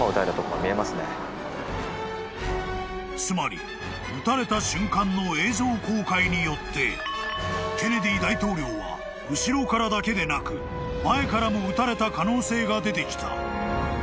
［つまり撃たれた瞬間の映像公開によってケネディ大統領は後ろからだけでなく前からも撃たれた可能性が出てきた］